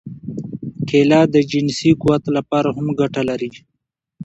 کېله د جنسي قوت لپاره هم ګټه لري.